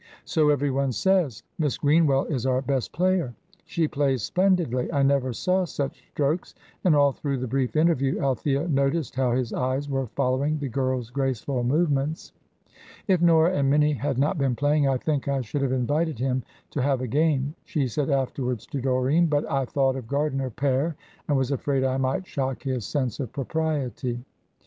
"So every one says. Miss Greenwell is our best player." "She plays splendidly. I never saw such strokes;" and all through the brief interview Althea noticed how his eyes were following the girl's graceful movements. "If Nora and Minnie had not been playing, I think I should have invited him to have a game," she said afterwards to Doreen; "but I thought of Gardiner père, and was afraid I might shock his sense of propriety."